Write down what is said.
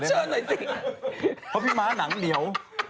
เพราะพี่ม้าหนังเหนียว